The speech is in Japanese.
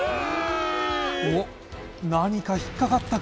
おっ何か引っかかったか？